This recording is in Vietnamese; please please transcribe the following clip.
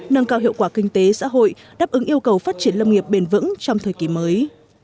nâng cao hiệu quả kinh tế xã hội đáp ứng yêu cầu phát triển lâm nghiệp bền vững trong thời kỳ mới